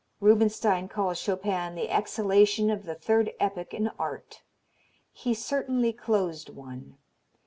Rubinstein calls Chopin the exhalation of the third epoch in art. He certainly closed one.